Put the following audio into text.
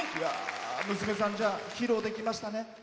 娘さん、披露できましたね。